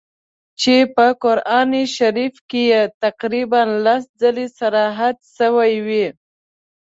چي په قرآن شریف کي یې تقریباً لس ځله صراحت سوی وي.